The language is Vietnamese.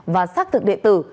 và xác thực đệ tử